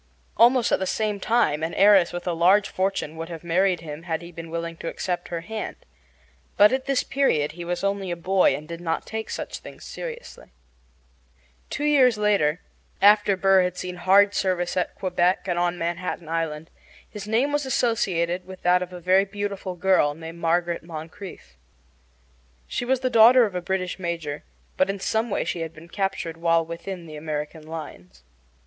Almost at the same time an heiress with a large fortune would have married him had he been willing to accept her hand. But at this period he was only a boy and did not take such things seriously. Two years later, after Burr had seen hard service at Quebec and on Manhattan Island, his name was associated with that of a very beautiful girl named Margaret Moncrieffe. She was the daughter of a British major, but in some way she had been captured while within the American lines.